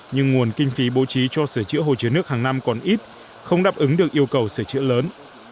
nhưng nguồn kinh phí bố trí cho sửa chữa hồ chứa nước hàng năm còn ít không đáp ứng được yêu cầu sửa chữa lớn